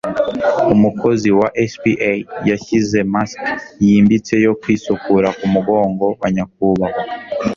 Umukozi wa spa yashyize mask yimbitse yo kwisukura kumugongo wa nyakubahwa.